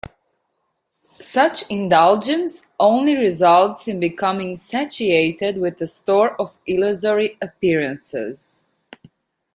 Such indulgence only results in becoming satiated with a store of illusory appearances.